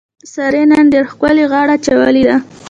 سارې نن ډېره ښکلې غاړه اچولې ده.